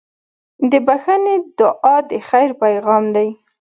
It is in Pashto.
د بښنې دعا د خیر پیغام دی.